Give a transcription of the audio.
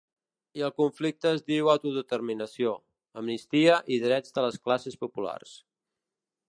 I el conflicte es diu autodeterminació, amnistia i drets de les classes populars.